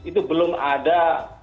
itu belum ada